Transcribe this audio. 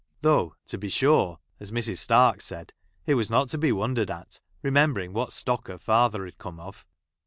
■ though, to be sure, as Mrs. Stark said, it was ;| not to bo wondered at, remembering what 1 stock her father had come of.